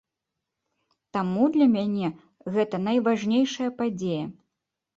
Таму для мяне гэта найважнейшая падзея.